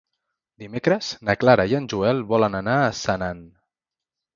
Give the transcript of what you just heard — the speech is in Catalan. Dimecres na Clara i en Joel volen anar a Senan.